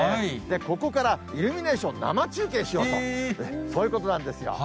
ここからイルミネーション、生中継しようと、そういうことなんですよ。